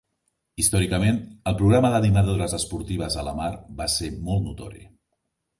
Històricament, el programa d'animadores esportives a Lamar va ser molt notori.